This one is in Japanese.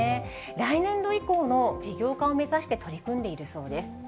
来年度以降の事業化を目指して取り組んでいるそうです。